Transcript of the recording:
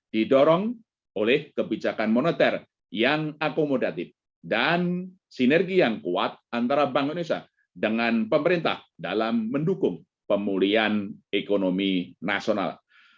didorong oleh kebijakan moneter yang akomodatif dan sinergi yang kuat antara bank indonesia dengan pemerintah dalam mendukung pemulihan ekonomi nasional